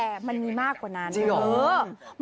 แต่มันมีมากกว่านั้นจริงเหรอ